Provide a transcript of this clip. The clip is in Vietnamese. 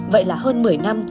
vậy là hơn một mươi năm